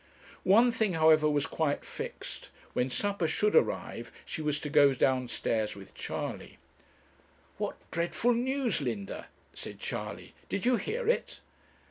One thing, however, was quite fixed: when supper should arrive she was to go downstairs with Charley. 'What dreadful news, Linda!' said Charley; 'did you hear it?'